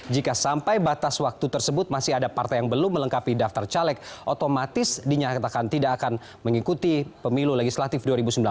jika sampai batas waktu tersebut masih ada partai yang belum melengkapi daftar caleg otomatis dinyatakan tidak akan mengikuti pemilu legislatif dua ribu sembilan belas